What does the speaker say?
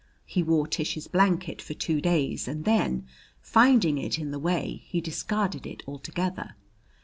He wore Tish's blanket for two days, and then, finding it in the way, he discarded it altogether.